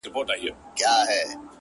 دا ارزښتمن شى په بټوه كي ساته،